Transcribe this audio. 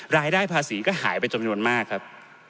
รายได้ภาษีก็หายไปจำนวนมากครับ